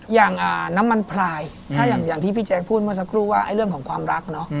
อย่างน้ำมันพลายถ้าอย่างที่พี่แจ๊คพูดเมื่อสักครู่ว่าเรื่องของความรักเนาะ